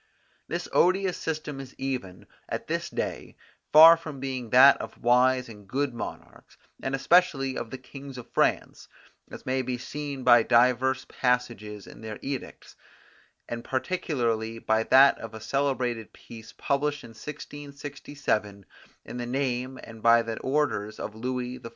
This odious system is even, at this day, far from being that of wise and good monarchs, and especially of the kings of France, as may be seen by divers passages in their edicts, and particularly by that of a celebrated piece published in 1667 in the name and by the orders of Louis XIV.